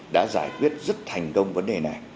đã giải quyết rất thành công vấn đề này